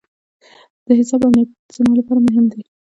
د حساب امنیت زما لپاره مهم دی.